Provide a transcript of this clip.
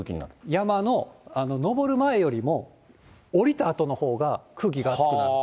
山の登る前よりも、下りたあとのほうが空気が暑くなる。